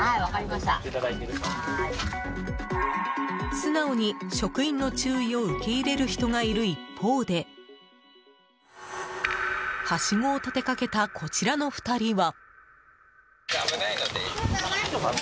素直に職員の注意を受け入れる人がいる一方ではしごを立てかけたこちらの２人は。